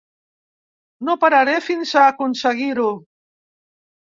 No pararé fins a aconseguir-ho.